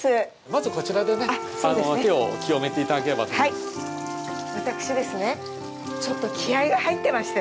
まず、こちらでね、手を清めていただければと思います。